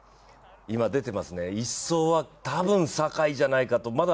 今、出てますね、１走は多分坂井じゃないかと。